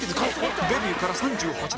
デビューから３８年